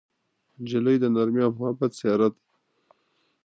نجلۍ د نرمۍ او محبت څېره ده.